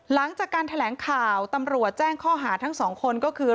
หลังจากการแถลงข่าวตำรวจแจ้งข้อหาทั้งสองคนก็คือ